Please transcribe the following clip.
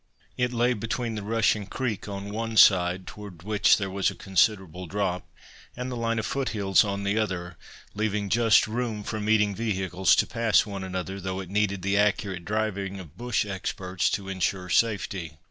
It lay between the rushing creek on one side, towards which there was a considerable drop, and the line of foot hills on the other, leaving just room for meeting vehicles to pass one another, though it needed the accurate driving of bush experts to ensure safety.